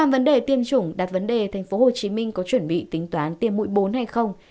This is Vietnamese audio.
vấn đề tiêm chủng đặt vấn đề thành phố hồ chí minh có chuẩn bị tính toán tiêm mũi bốn hay không